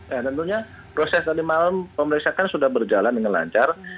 ya tentunya proses tadi malam pemeriksaan sudah berjalan dengan lancar